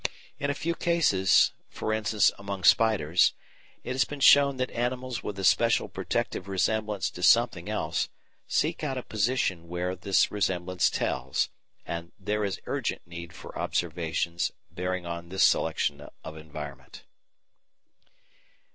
In a few cases, e.g. among spiders, it has been shown that animals with a special protective resemblance to something else seek out a position where this resemblance tells, and there is urgent need for observations bearing on this selection of environment.